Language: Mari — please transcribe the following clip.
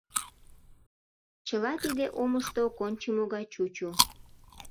Чыла тиде омышто кончымо гай чучо.